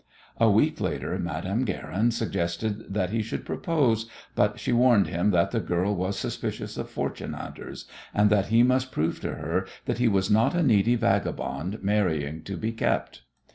A week later Madame Guerin suggested that he should propose, but she warned him that the girl was suspicious of fortune hunters and that he must prove to her that he was not a needy vagabond marrying to be kept.